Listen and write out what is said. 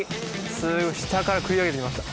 すごい下から食い上げてきました